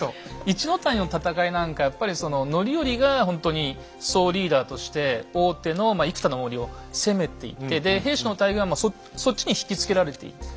一の谷の戦いなんかやっぱりその範頼がほんとに総リーダーとして大手の生田の森を攻めていってで平氏の大軍はそっちに引きつけられている。